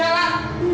bentar deh bentar